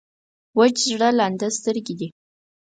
وچ زړه لانده سترګې دي.